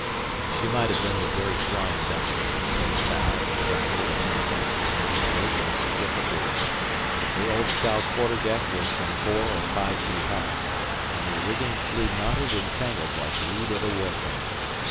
She might have been the very Flying Dutchman, so foul, draggled, and unkempt was every rope and stick aboard. Her old style quarterdeck was some or five feet high, and her rigging flew knotted and tangled like weed at a wharf end.